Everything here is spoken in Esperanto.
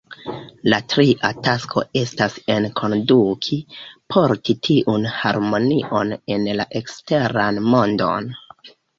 La tria tasko estas enkonduki, porti tiun harmonion en la eksteran mondon.